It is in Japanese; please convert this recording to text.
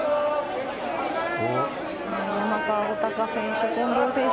山川穂高選手、近藤選手